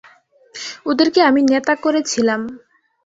ওদেরকে আমি নেতা করেছিলাম।